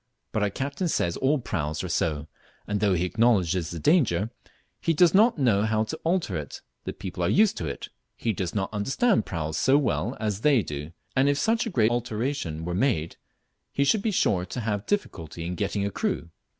But our captain says all praus are so; and though he acknowledges the danger, "he does not know how to alter it the people are used to it; he does not understand praus so well as they do, and if such a great alteration were made, he should be sure to have difficulty in getting a crew!"